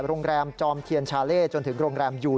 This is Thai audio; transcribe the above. โรงแรมจอมเทียนชาเล่จนถึงโรงแรมยูน